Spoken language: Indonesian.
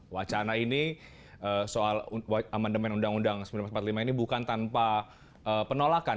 wacana ini soal amandemen undang undang seribu sembilan ratus empat puluh lima ini bukan tanpa penolakan